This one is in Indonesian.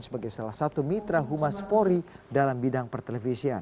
sebagai salah satu mitra humas polri dalam bidang pertelevisian